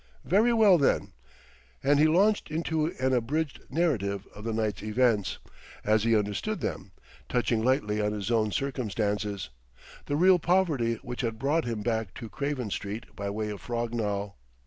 "Very well, then." And he launched into an abridged narrative of the night's events, as he understood them, touching lightly on his own circumstances, the real poverty which had brought him back to Craven Street by way of Frognall.